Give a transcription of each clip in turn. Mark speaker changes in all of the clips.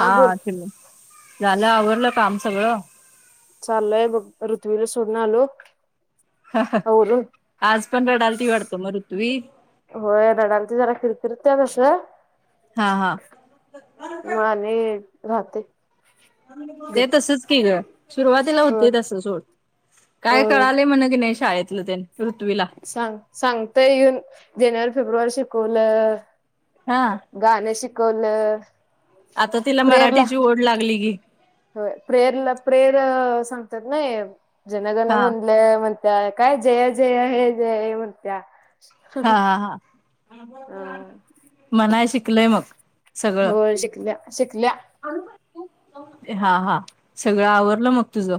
Speaker 1: हा च झालं आवरडलं काम सगळं.
Speaker 2: चालयं बंग ऋथ्वीलां सोडूंन आलों.
Speaker 1: हां हां आंज पणं रडालती वाढतो मरत्वी
Speaker 2: होयं लडाल ते जरां किरकिरत तसं
Speaker 1: हां हां
Speaker 2: मांहले राहते.
Speaker 1: ते
Speaker 2: गप
Speaker 1: तसंच की गं सुरुंवातीला
Speaker 2: हो
Speaker 1: होते तसं सोंड कायं
Speaker 2: हो
Speaker 1: कळाले म्हंण की नाहीं शाळेतलं ते पृथ्वीला.
Speaker 2: सांग सांगतय येऊन जानेवारी फेब्रुवारी शिकवलं
Speaker 1: हा
Speaker 2: गाणं शिकवलं प्रेरला
Speaker 1: कोड लागली की
Speaker 2: हो प्रेअरला प्रेर सांगतात नां जनगण
Speaker 1: हा
Speaker 2: मंण म्हणत्यां कायं जय जय जय म्हणत्यां
Speaker 1: हां हां हां मनांय शिक
Speaker 2: होयं शिकल्यां शिकल्यां
Speaker 1: हां हां सगळं आवरलं मंग तुझं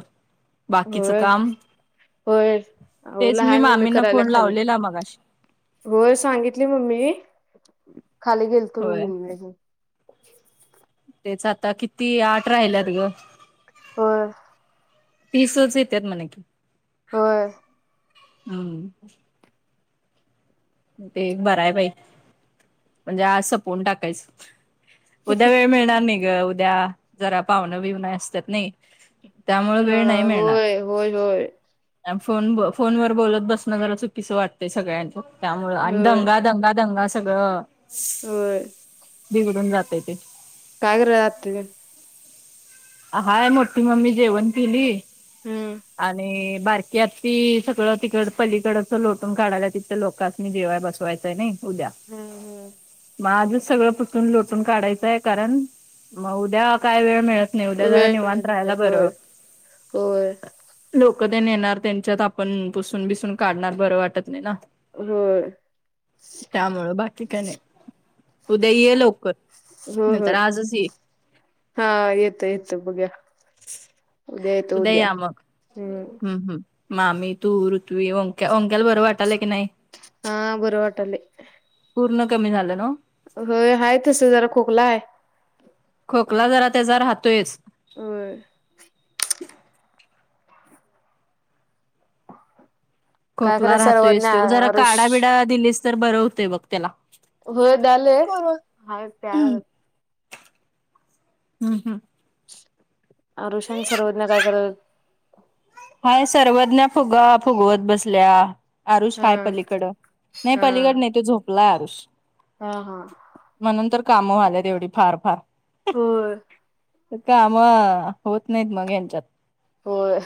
Speaker 1: बाकीचं
Speaker 2: होयं
Speaker 1: काम
Speaker 2: होयं
Speaker 1: तेच
Speaker 2: ओला
Speaker 1: मी
Speaker 2: हांय मंग ममी
Speaker 1: मामींना
Speaker 2: करायंला
Speaker 1: फोन
Speaker 2: खाली
Speaker 1: लावलेला मगाशी
Speaker 2: हो सांगितली मम्मी खाली गेलतो
Speaker 1: होय
Speaker 2: मी मु
Speaker 1: तेचं आंता किती आंठ राहिल्यांत गं
Speaker 2: परं
Speaker 1: पीसचं येतेेत म्हंणे की.
Speaker 2: परं
Speaker 1: हम्मं. ते बरं आहे बाई म्हणजे आंज संपवून टाकायचं. उद्यां वेळ मिळणारं नाहीं गं उद्यां जरां पाहुंन बिवणे असतांत नाहीं.
Speaker 2: हम्मं होयं होयं होयं.
Speaker 1: फोन फोन वरं बोलतं बसणं जरां चुकीचं वाटतंय सगळ्यांना. त्यामुळें आणि
Speaker 2: होय
Speaker 1: दंगा दंगा दंगा सगळं
Speaker 2: होय
Speaker 1: बिघडवून जातंय.
Speaker 2: कागरं आंत
Speaker 1: हांय मोठी मम्मी जेवणं केली
Speaker 2: हम्म
Speaker 1: आणि बारकी आत्ती. सगळं तिकडं पलीकडचं लोटून काढल्यांत तिथं लोकांस नी जेवाय बसवायचंय उद्यां
Speaker 2: हम्म हम्म
Speaker 1: मं आजचं सगळं. लोटूंन काढायचंय कारणं मंग उद्यां कायं वेळं मिळत नाहीं नाई उद्यां जरां
Speaker 2: वेळ
Speaker 1: निवांत
Speaker 2: मिळत नाही
Speaker 1: राहायला
Speaker 2: होय
Speaker 1: बरं.
Speaker 2: होय
Speaker 1: लोकं तेन येणारं तेंच्यांत आपणं पुसून बिसूंन काढणारं बरं वाटतं नाहीं नां.
Speaker 2: होयं
Speaker 1: त्यामुळें बाकी कायं नाहीं. उद्यां ये लोवकर नाहीं तरं आजचं ये.
Speaker 2: हां येतो येतो बघूंया.
Speaker 1: उद्यां यां मंग
Speaker 2: हम्म
Speaker 1: हम्मं हम्मं. मामी तू ऋत्वी ओंक्यां ओंक्यांला बरं वाटालय की नाहीं.
Speaker 2: हां बरं वाटालयं.
Speaker 1: पूर्ण कमी झालं न व
Speaker 2: व्हयं आहे तसं जरां खोकला आहे.
Speaker 1: खोकला जरां त्यांचा राहतोय.
Speaker 2: होयं. काय
Speaker 1: खोकला
Speaker 2: कराय सर्वज्ञ
Speaker 1: राहतोयच तो जरां
Speaker 2: आरुष
Speaker 1: कांढा बिडा दिलीस तरं बरं होतंय बघं त्यांला.
Speaker 2: होय द्यालोय हाय प्यायला.
Speaker 1: हम्म हम्म.
Speaker 2: आरुष अन् सर्वज्ञ काय कराल
Speaker 1: हाय सर्वज्ञा फुगा फुगवत बसल्या. आरुष हाय
Speaker 2: हा
Speaker 1: पलीकड नाही
Speaker 2: हा.
Speaker 1: पलीकड नाही तो झोपलाय आरुष.
Speaker 2: हा हा.
Speaker 1: म्हणून तर कामं व्हाल्यात येवढी फार फार.
Speaker 2: होय.
Speaker 1: काम होत नाहीत मग ह्यांच्यात.
Speaker 2: होय.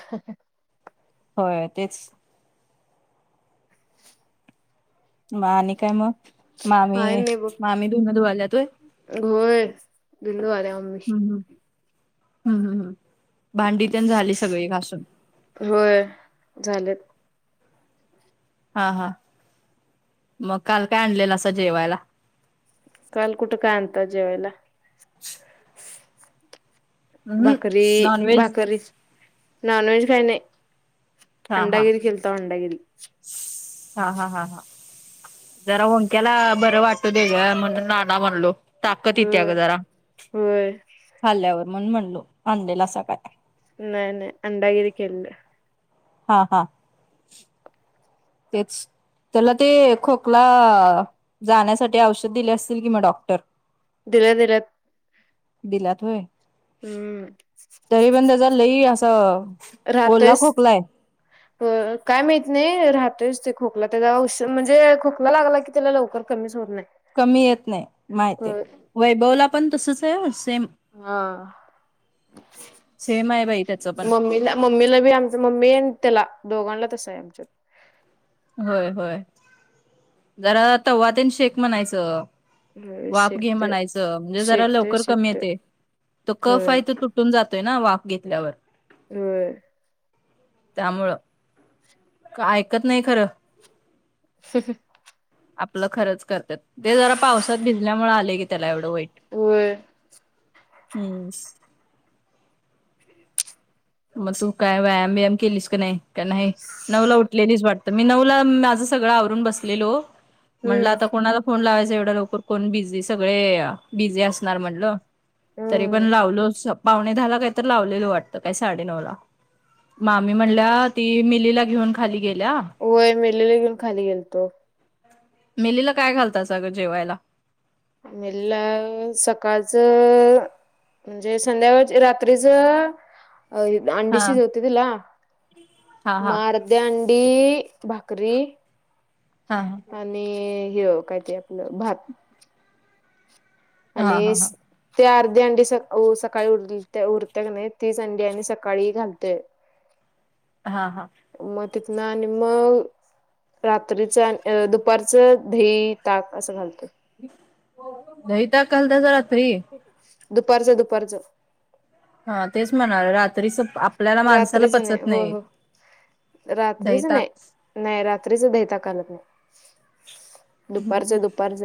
Speaker 1: होय तेच. म आणि काय म मामी
Speaker 2: काय नाही बघ
Speaker 1: मामी धुणं धुवाल्यात व्हय.
Speaker 2: होय धूणं धुवाल्या मम्मी.
Speaker 1: ह हम् हम् भांडी तेन झाली सगळी घासून.
Speaker 2: होय झाल.
Speaker 1: हा हा, म काल काय आणलेलासा जेवायला.
Speaker 2: काल कुठ काय अत्यांत जेवायला.
Speaker 1: हम्म
Speaker 2: भाकरी
Speaker 1: नॉनव्हेज
Speaker 2: भाकरीच. नॉनव्हेज काही नाही
Speaker 1: हा हा
Speaker 2: अंडागिरी केलतो अंडागिरी.
Speaker 1: हा हा हा हा. जरा ओंक्याला बरं वाटू दे ग म्हणून आना म्हणलो. ताकद येत्या
Speaker 2: होय.
Speaker 1: गं जरा,
Speaker 2: होय
Speaker 1: खाल्ल्यावर म्हणून म्हणलो आणलेलेसा काय.
Speaker 2: नाही नाही अंडागिरी केलेलं.
Speaker 1: हा हा. तेच तेला ते खोकला जाण्यासाठी औषध दिले असतील की म डॉक्टर.
Speaker 2: दिल्यात दिल्यात.
Speaker 1: दिल्यात होय
Speaker 2: हम्म
Speaker 1: तरी पण त्याच्या लई अस
Speaker 2: हा तेच.
Speaker 1: [inaudible]
Speaker 2: होय काय माहीत नाही राहतोयच ते खोकला त्याचा औष म्हणजे खोकला लागला की त्याला लवकर कमीच होत नाही.
Speaker 1: कमी येत नाही माहिती आहे
Speaker 2: होय.
Speaker 1: वैभवला पण तसच आहे सेम.
Speaker 2: हां,
Speaker 1: सेम आहे बाई त्याचं पण
Speaker 2: मम्मीला मम्मीला बी आमच मम्मी आहे त्याला दोघांला तसं आहे आमच्यात.
Speaker 1: होय होय जरा तवा तेन शेक म्हणायचं.
Speaker 2: होय
Speaker 1: वाफ घे
Speaker 2: शेकते
Speaker 1: म्हणायचं म्हणजे जरा
Speaker 2: शेकते
Speaker 1: लवकर कमी
Speaker 2: शेकते
Speaker 1: येते तो कफ
Speaker 2: होय
Speaker 1: आहे त तु तून जातोय ना वाफ घेतल्यावर.
Speaker 2: होय.
Speaker 1: त्यामुळं का ऐकत नाही खरं.
Speaker 2: ह ह.
Speaker 1: आपलं खरंच करत्यात ते जरा पावसात भिजल्यामुळ आले घे त्याला एवढं वाईट
Speaker 2: होय.
Speaker 1: हम्म. म तू काय व्यायाम बियाम केलीस कि नाही काय नाही नऊला उठलेलीच वाटत. त मी नऊला माझं सगळं आवरून बसलेलो म्हणलं
Speaker 2: हम्म
Speaker 1: आता कोणाला फोन लावायच एवढा लवकर कोण बिझी. सगळे बिझी असणार म्हणल. तरी पण
Speaker 2: हम्म
Speaker 1: लावलो. पावणे दहा ला काहीतर लावलेलो वाटतं. का साडे नऊ ला. मामी म्हणल्या ती मिलीला घेऊन खाली गेल्या.
Speaker 2: होय मिलीला घेऊन खाली गेलतो.
Speaker 1: मिेलीला काय घालतास गं जेवायला?
Speaker 2: मिलीला सकाळचं म्हणजे संध्याकाळच रात्रीच अ अंडी
Speaker 1: हा
Speaker 2: शिजवते तिला.
Speaker 1: हा
Speaker 2: म
Speaker 1: हा
Speaker 2: अर्ध्या अंडी भाकरी
Speaker 1: हा हा.
Speaker 2: आणि ह. काय ते आपलं भात.
Speaker 1: हा
Speaker 2: आणि
Speaker 1: हा हा
Speaker 2: ते अर्धे अंडी सका सकाळी उर उरते का नाही. तीच अंडी आणि सकाळी घालतोय.
Speaker 1: हा हा.
Speaker 2: म तिथंन आणि मग रात्रीच आणि दुपारचं दही ताक असं घालतोय.
Speaker 1: दही ताक घालतासा रात्री?
Speaker 2: दुपारचं दुपारचं.
Speaker 1: हा तेच म्हणाले. रात्रीच आपल्याला माणसाला
Speaker 2: रात्रीच
Speaker 1: पचत
Speaker 2: हो
Speaker 1: नाही.
Speaker 2: हो
Speaker 1: दही
Speaker 2: रात्रीच
Speaker 1: ताक
Speaker 2: नाही. नाही रात्रीच दही ताक घालत नाही. दुपारच दुपारच.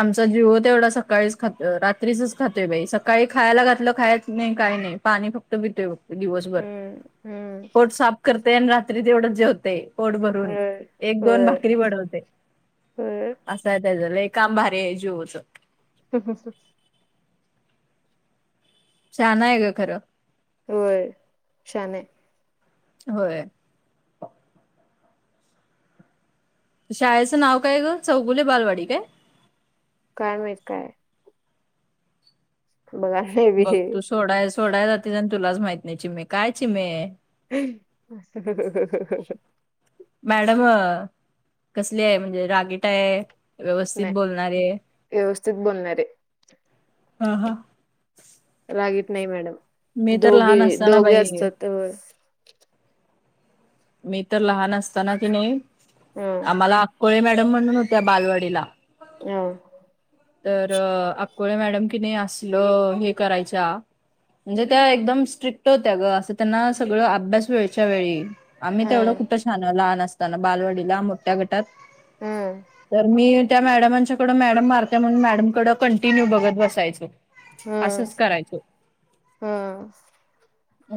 Speaker 1: आमचा जीव तेवढा सकाळीच खातो. रात्रीचच खातोय बाई. सकाळी खायला घातलं खायच नाही काय नाही. पाणी फक्त पितोय फक्त दिवसभर.
Speaker 2: हम्म हम्म.
Speaker 1: पोट साफ करतेय आणि रात्री तेवढंच जेवतय. पोट भरून.
Speaker 2: होय
Speaker 1: एक दोन
Speaker 2: होय
Speaker 1: भाकरी बडवते.
Speaker 2: होय
Speaker 1: असा हाय त्याच. लई काम भारीये जीवोच.
Speaker 2: हम हम ह [unintelligible]
Speaker 1: शहाणाय ग खरं.
Speaker 2: होय शहानाय.
Speaker 1: होय. शाळेचं नाव काय ग? चौगुले बालवाडी काय?
Speaker 2: काय माहीत काये? बघा नाही बी
Speaker 1: बघ तू सोडाय सोडाय जातीस. आण तुलाच माहित नाही चीमे. काय चीमे.
Speaker 2: [unintelligible]
Speaker 1: मॅडम कसलीय म्हणजे रागेटय? व्यवस्थित बोलणारीये?
Speaker 2: व्यवस्थित बोलणार आहे.
Speaker 1: हा ह.
Speaker 2: रागीट नाही मॅडम.
Speaker 1: मी तर
Speaker 2: दोघे
Speaker 1: लहान असताना
Speaker 2: दोघे
Speaker 1: बाई
Speaker 2: असतात त्यावेस.
Speaker 1: मी तर लहान असताना कीनी,
Speaker 2: हं
Speaker 1: आम्हाला अक्कोळे मॅडम म्हणून हो त्या बालवाडीला.
Speaker 2: ह.
Speaker 1: तर अक्कोळे मॅडम किनी असलं हे करायच्या. म्हणजे त्या एकदम स्ट्रिक्ट होत्या ग. असं त्यांना सगळं अभ्यास वेळच्या वेळी. आम्ही तेवढं
Speaker 2: हं
Speaker 1: कुठं शाहन लहान असताना. बालवडीला मोठ्या गटात.
Speaker 2: हं
Speaker 1: तर मी त्या मॅडमांच्याकडं, मॅडम मारता म्हणून मॅडमाकड कंटिन्यू बघत बसायचो.
Speaker 2: हं
Speaker 1: असंच करायचो.
Speaker 2: हं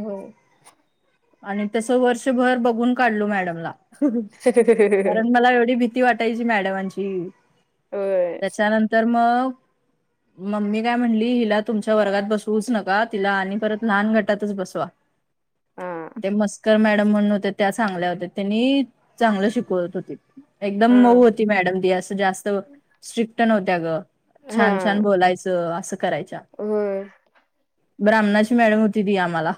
Speaker 1: हो. आणि तस वर्षभर बघून काढलो मॅडमला. कारण मला एवढी भीती वाटायची मॅडमांची
Speaker 2: होय
Speaker 1: त्याच्यानंतर मग मम्मी काय म्हणली हिला तुमच्या वर्गात बसवूच नका तिला आणि परत लहान गटातच बसवा.
Speaker 2: हां
Speaker 1: ते मस्कर मॅडम म्हणून होत्या त्या चांगल्या होत्या त्यांनी चांगलं शिकवत होत्या एकदम मऊ
Speaker 2: हां
Speaker 1: ती मॅडम असं जास्त स्ट्रिक नव्हत्या ग छान छान
Speaker 2: हां
Speaker 1: बोलायचं असं करायच्या
Speaker 2: होय
Speaker 1: ब्राह्मणाची मॅडम होती ती आम्हाला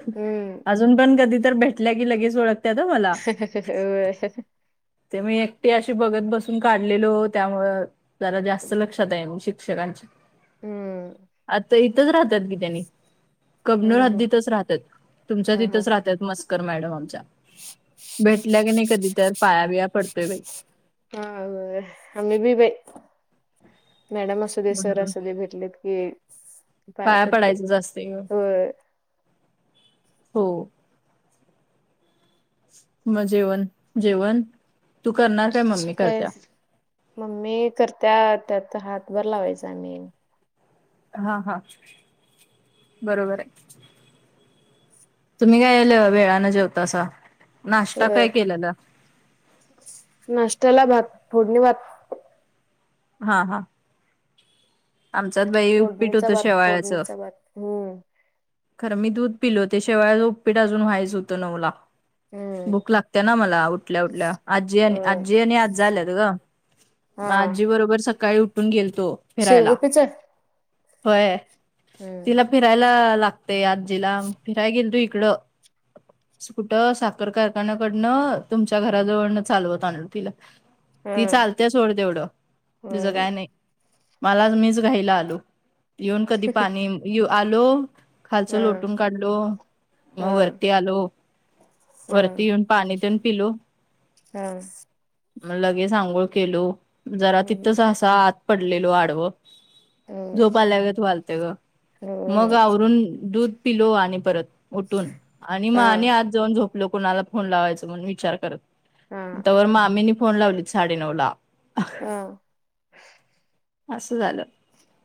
Speaker 2: हम्म
Speaker 1: अजून पण कधी तर भेट लगे लगेच ओळखत मला
Speaker 2: होय
Speaker 1: ते मी एकटी अशी बघत बसून काढलेलो त्यामुंळ जरा जास्त लक्षात आहे
Speaker 2: हम्म
Speaker 1: शिक्षकांच्या इथंच राहतात की त्यांनी कबनुरात
Speaker 2: हम्म
Speaker 1: हद्दीतच राहतात तुमच्या
Speaker 2: हां हां
Speaker 1: तिथंच राहतात मस्कर मॅडम आमच्या भेटल्या की नाही कधी तर पायाबिया पडतोय बाई
Speaker 2: हा होय आम्ही बी बाई मॅडम असू दे सर
Speaker 1: हम्म.
Speaker 2: असू दे भेटलेत हम्म
Speaker 1: पाया पडायचं असतंय हो मग जेवण जेवण तू करणार काय
Speaker 2: च
Speaker 1: मम्मी
Speaker 2: काय
Speaker 1: करत्या
Speaker 2: मम्मी करत त्यात हातभर लावायचा मी
Speaker 1: हा हा बरोबर आहे. तुम्ही काय वेळानं जेवतासा नाश्ता
Speaker 2: होय
Speaker 1: काय केलेलं?
Speaker 2: नाश्त्याला भात फोडणी भात
Speaker 1: हा हा आमच्यात बाई उपीट
Speaker 2: फोडणीचा
Speaker 1: होत
Speaker 2: भात
Speaker 1: शेवाळ्याच
Speaker 2: फोडणीचा भात हम्म
Speaker 1: खरं मी दूध पिलो ते शेवयाच उपीट अजून व्हायचं होतं नऊला
Speaker 2: हम्म
Speaker 1: भुक लागते ना मला उठल्या उठल्या आजी
Speaker 2: होय
Speaker 1: आणि आजा आल्यात ग आजी बरोबर सकाळी उठून गेलतो. फिरायला.
Speaker 2: शिरगुपीचं
Speaker 1: होय तिला फिरायला लागतेय आजीला फिरायला गेलो इकडं कुठं साखर कारखान्याकडनं तुमच्या घराजवळनं चालवत आणलो तिला ती
Speaker 2: हम्म
Speaker 1: चालते सोड तेवढं तिच
Speaker 2: होय
Speaker 1: काय नाही मला मीच घाइला आलो. येऊन कधी पाणी आलो खालच
Speaker 2: हा
Speaker 1: लोटून काढलो मग
Speaker 2: हा
Speaker 1: वरती आलो
Speaker 2: हा
Speaker 1: वरती येऊन पाणी देऊन पिलो
Speaker 2: हम्म
Speaker 1: मग लगेच आंघोळ केलो जरा
Speaker 2: हम्म
Speaker 1: तिथं असा आत पडलेलो आडव
Speaker 2: हम्म
Speaker 1: झोपा आल्या गत हायलत ग
Speaker 2: होय
Speaker 1: मग
Speaker 2: होय
Speaker 1: आवरून दूध पिलो आणि परत उठून आणि मग
Speaker 2: हा
Speaker 1: आ आणि आज जाऊन झोपल कुणाला फोन लावायचं म्हण विचार करत.
Speaker 2: हा
Speaker 1: त्यावर मामानी फोन लावली साडे नऊ ला
Speaker 2: हा
Speaker 1: असं झालं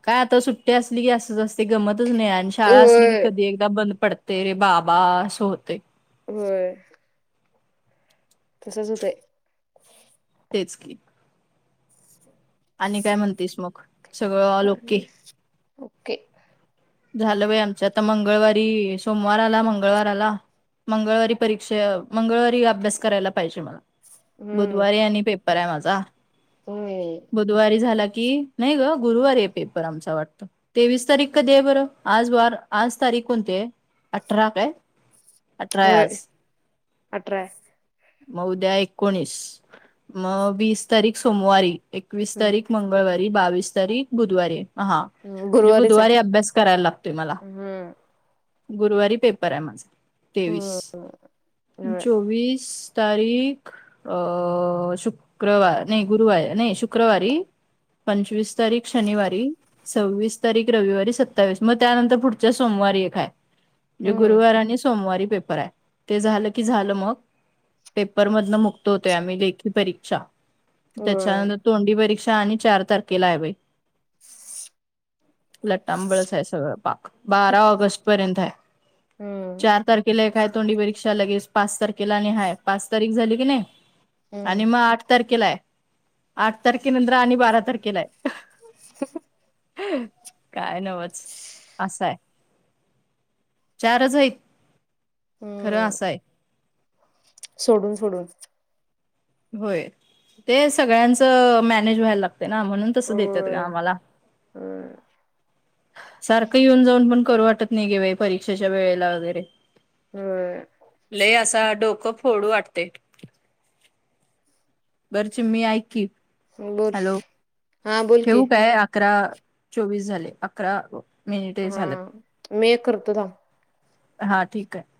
Speaker 1: काय आता सुट्टी असली की असंच असते. ते गमतच नाही आणि शाळा असली की
Speaker 2: होय
Speaker 1: कधी एकदा बंद पडते रे बाबा असं होते.
Speaker 2: होय तसंच होतेय.
Speaker 1: तेच की आणि काय म्हणतीस मग? सगळं ऑल ओके?
Speaker 2: ह ओके
Speaker 1: झालं बाई आमच्या आता मंगळवारी, सोमवार आला मंगळवार आला मंगळवारी परीक्षा, मंगळवारी अभ्यास करायला पाहिजे मला.
Speaker 2: हम्म
Speaker 1: बुधवारी आणि पेपर आहे माझा,
Speaker 2: होय
Speaker 1: बुधवारी झाला की, नाही ग गुरुवारी आहे पेपर आमचा वाटतं, तेवीस तारीख कधी आहे? बर आज वार आज तारीख कोणती आहे अठरा काय? अठरा आहे
Speaker 2: व्हय
Speaker 1: आज
Speaker 2: अठरा आहे.
Speaker 1: म उद्या एकोणीस, मग वीस तारीख सोमवारी एकवीस
Speaker 2: हम्म
Speaker 1: तारीख मंग मंगळवारी, बावीस तारीख बुधवारी. हा
Speaker 2: हम्म
Speaker 1: म्हणजे
Speaker 2: गुरुवारीच आहे
Speaker 1: बुधवारी अभ्यास करायला लागतोय मला.
Speaker 2: हम्म
Speaker 1: गुरुवारी पेपर आहे माझा तेवीस,
Speaker 2: हम्म होय
Speaker 1: चोवीस तारीख अ शुक्रवार, नाही गुरुवारी, नाही शुक्रवारी. पंचवीस तारीख शनिवारी सव्वीस तारीख रविवारी, सत्तावीस मग त्यानंतर पुढच्या सोमवारी एक‌ आहे. म्हणजे
Speaker 2: हम्म
Speaker 1: गुरुवार आणि सोमवारी पेपर आहे, ते झालं की झालं मग. पेपरमधन मुक्त होतोय आम्ही, लेखी परीक्षा
Speaker 2: होय
Speaker 1: त्याच्यानंतर तोंडी परीक्षा आणि चार तारखेला आहे बाई. लट्टांबळच आहे सगळं पाक, बारा ऑगस्ट पर्यंत आहे.
Speaker 2: हम्म
Speaker 1: चार तारखेला एक हाय तोंडी परीक्षा, लगेच पाच तारखेला आणि हाय पाच तारीख झाली की, नाही आणि
Speaker 2: हम्म
Speaker 1: मग आठ तारखेला आहे, आठ तारखे नंतर आणि बारा तारखेला आहे. काय नवच असंय. चारच आहेत, खरं
Speaker 2: हम्म
Speaker 1: असंय.
Speaker 2: सोडून सोडून
Speaker 1: होय, ते सगळ्यांचं मॅनेज व्हायला लागतंय. ना म्हणून तस देतात ग
Speaker 2: होय
Speaker 1: आम्हाला
Speaker 2: होय
Speaker 1: सारखं येऊन -जाऊन पण करू वाटत नाही घे बाई, परीक्षेच्या वेळेला वगैरे.
Speaker 2: होय
Speaker 1: लय असा डोकं फोडू वाटतंय. बर चिमी ऐक की,
Speaker 2: बोल
Speaker 1: हॅलो,
Speaker 2: हा बोल की
Speaker 1: ठेवू काय? अकरा चोवीस झाले, अकरा मिनिटे
Speaker 2: हा
Speaker 1: झाल्यात.
Speaker 2: मी एक करतो थांब
Speaker 1: हा ठीक आहे.